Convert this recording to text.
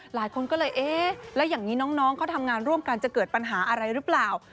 หลายคนก็เลยเอ๊ะแล้วอย่างนี้น้องเขาทำงานร่วมกันจะเกิดปัญหาอะไรหรือเปล่า